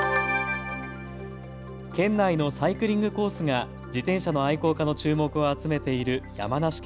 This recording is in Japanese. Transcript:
県内のサイクリングコースが自転車の愛好家の注目を集めている山梨県。